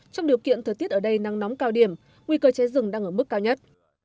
trong điều kiện thời tiết ở đây nắng nóng cao điểm nguy cơ cháy rừng đang ở mức cao nhất